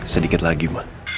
sedikit lagi mah